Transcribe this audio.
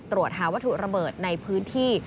ตรวจหาวัตถุระเบิดในพื้นที่